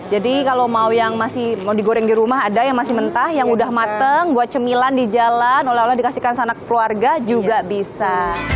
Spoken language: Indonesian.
jadi kalau mau yang masih mau digoreng di rumah ada yang masih mentah yang sudah matang buat cemilan di jalan oleh oleh dikasihkan ke sana ke keluarga juga bisa